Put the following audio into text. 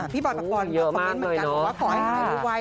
พี่บอดประกอบก็ขอบกันเหมือนกันว่าขอให้ทำให้รู้ไว